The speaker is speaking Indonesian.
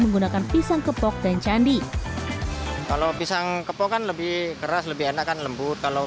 menggunakan pisang kepok dan candi kalau pisang kepok kan lebih keras lebih enak kan lembut kalau